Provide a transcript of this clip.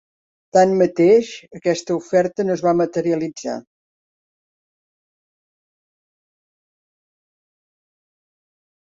Tanmateix, aquesta oferta no es va materialitzar.